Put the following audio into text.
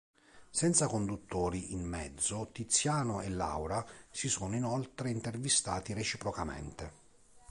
Senza conduttori in mezzo, Tiziano e Laura si sono inoltre intervistati reciprocamente.